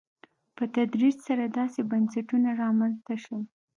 په تدریج سره داسې بنسټونه رامنځته شول.